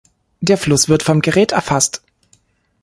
Der Fluss wird vom Gerät erfasst.